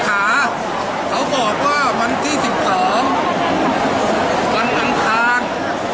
เขาบอกว่าวันที่สิบสองวันอันทาง